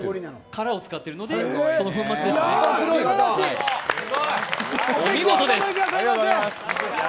殻を使っているので、その粉末ですね、お見事です。